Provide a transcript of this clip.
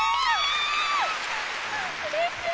うれしい！